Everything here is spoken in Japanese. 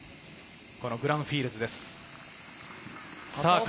グランフィールズです。